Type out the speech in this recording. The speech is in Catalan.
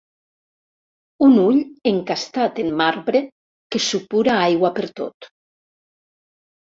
Un ull encastat en marbre que supura aigua pertot.